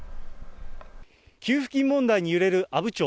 給付金問題に揺れる阿武町。